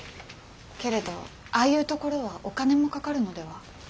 けれどああいう所はお金もかかるのでは？